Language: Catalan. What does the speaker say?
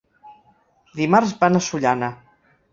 Dimarts van a Sollana.